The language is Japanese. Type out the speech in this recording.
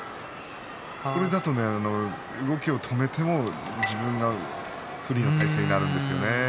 これだと動きを止めても自分が不利な体勢になるんですよね。